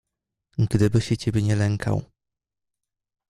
"Gdyby się ciebie nie lękał."